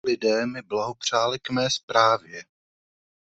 Lidé mi blahopřáli k mé zprávě.